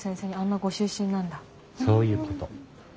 そういうこと。